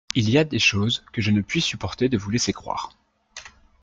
Il y a des choses que je ne puis supporter de vous laisser croire.